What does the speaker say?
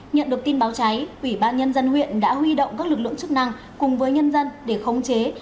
nhận được tin báo cháy ủy ban nhân dân huyện đã huy động các lực lượng chức năng cùng với nhân dân để khống chế